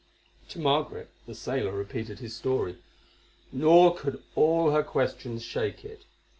To Margaret the sailor repeated his story, nor could all her questions shake it.